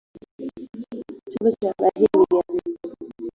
Chanzo cha habari hii ni gazeti